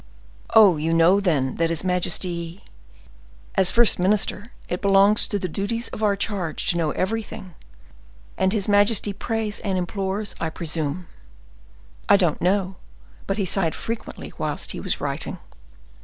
"Oh! you know, then, that his majesty—" "As first minister, it belongs to the duties of our charge to know everything. And his majesty prays and implores, I presume." "I don't know, but he sighed frequently whilst he was writing."